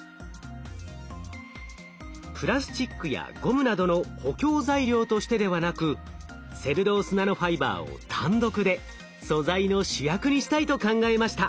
プラスチックやゴムなどの補強材料としてではなくセルロースナノファイバーを単独で素材の主役にしたいと考えました。